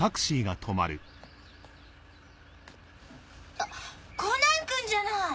あっコナンくんじゃない！